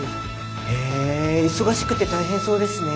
へえ忙しくて大変そうですね。